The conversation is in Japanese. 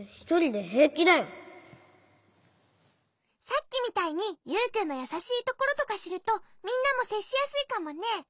さっきみたいにユウくんのやさしいところとかしるとみんなもせっしやすいかもね。